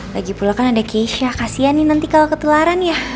lagi pula kan ada keisha kasian nih nanti kalau ketularan ya